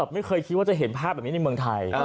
ไม่เคยคิดว่าจะเห็นภาพแบบนี้ในเมืองไทย